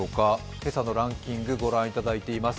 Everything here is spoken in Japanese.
今朝のランキングご覧いただいています。